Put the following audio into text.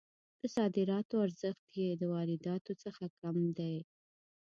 د صادراتو ارزښت یې د وارداتو څخه کم دی.